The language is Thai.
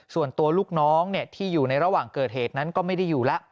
ส่วนตัวลูกน้องที่อยู่ในระหว่างเกิดเหตุนั้นก็ไม่ได้อยู่แล้ว